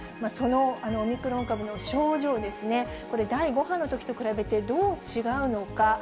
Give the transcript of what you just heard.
そのオミクロン株の症状ですね、これ、第５波のときと比べてどう違うのか。